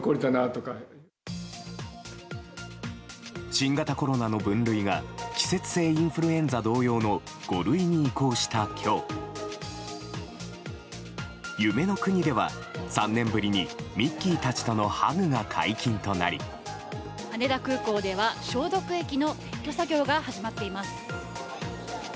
新型コロナの分類が季節性インフルエンザ同様の５類に移行した今日夢の国では、３年ぶりにミッキーたちとのハグが解禁となり羽田空港では消毒液の撤去作業が始まっています。